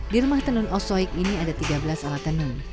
di rumah tenun osoik ini ada tiga belas alat tenun